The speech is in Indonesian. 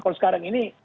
kalau sekarang ini